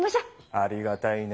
ありがたいね